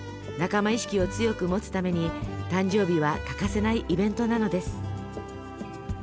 仲間意識を強く持つために誕生日は欠かせないイベントなのです。